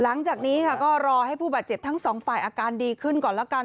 หลังจากนี้ค่ะก็รอให้ผู้บาดเจ็บทั้งสองฝ่ายอาการดีขึ้นก่อนแล้วกัน